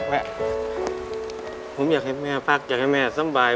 ผมอยากให้แม่พักอยากให้แม่สบาย